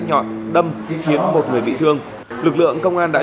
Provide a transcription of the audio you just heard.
nhọn để bị thương lực lượng công an đã